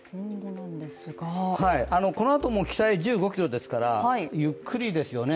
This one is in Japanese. このあとも北へ１５キロですから、ゆっくりですよね。